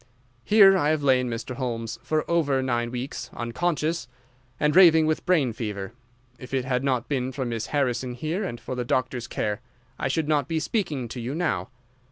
Here I have lain, Mr. Holmes, for over nine weeks, unconscious, and raving with brain fever. If it had not been for Miss Harrison here and for the doctor's care I should not be speaking to you now.